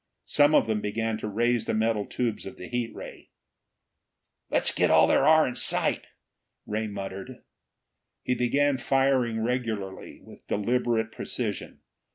Some of them began to raise the metal tubes of the heat ray. "Let's get all there are in sight!" Ray muttered. He began firing regularly, with deliberate precision.